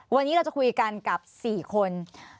วันนี้เราจะคุยกันกับ๔คน